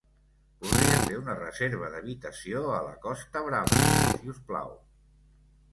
Voldria fer una reserva d'habitació a la Costa Brava, si us plau.